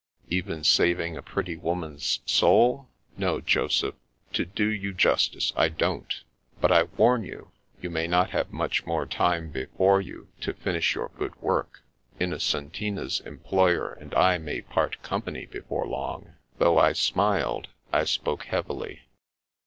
"" Even saving a pretty woman's soul ? No, Joseph, to do you justice, I don't. But I warn you, you may not have much more time before you to finish your good work. Innocentina's employer «md I may part company before long." Though I smiled, I spoke heavily.